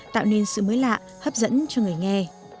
tạo nên sự mới lạ hấp dẫn cho người nghe